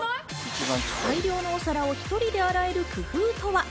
大量のお皿を１人で洗える工夫とは？